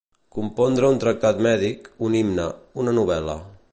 Compondre un tractat mèdic, un himne, una novel·la.